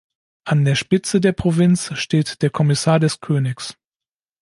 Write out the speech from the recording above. An der Spitze der Provinz steht der Kommissar des Königs.